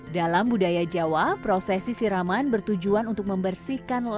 dalam budaya jawa prosesi siraman bertujuan untuk membersihkan lahir dan batin calon pengantin